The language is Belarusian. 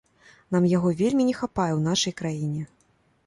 Нам яго вельмі не хапае ў нашай краіне.